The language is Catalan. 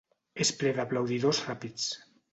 És ple d'aplaudidors ràpids.